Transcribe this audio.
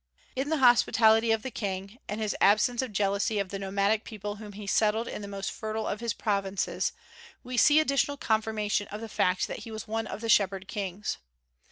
In the hospitality of the King, and his absence of jealousy of the nomadic people whom he settled in the most fertile of his provinces, we see additional confirmation of the fact that he was one of the Shepherd Kings.